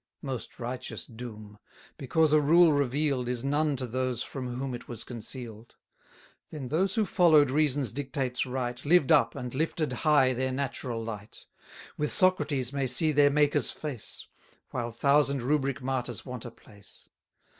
Most righteous doom! because a rule reveal'd Is none to those from whom it was conceal'd. Then those who follow'd reason's dictates right, Lived up, and lifted high their natural light; With Socrates may see their Maker's face, 210 While thousand rubric martyrs want a place.